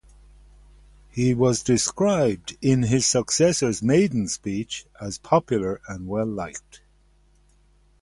He was described in his successor's maiden speech as popular and well-liked.